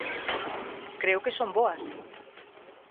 Creo que son boas.